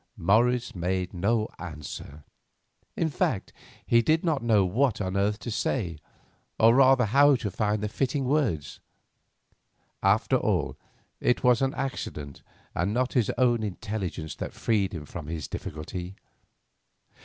Morris made no answer; in fact, he did not know what on earth to say, or rather how to find the fitting words. After all, it was an accident and not his own intelligence that freed him from his difficulty.